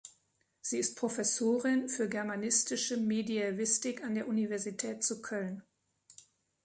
Sie ist Professorin für germanistische Mediävistik an der Universität zu Köln.